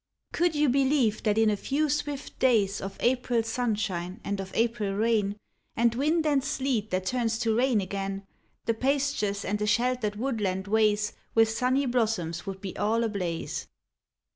/^TOULI) you believe that in a few swift days ^ Of April sunshine and of April rain, And wind and sleet that turns to rain again, The pastures and the sheltered woodland ways With sunny blossoms would be all ablaze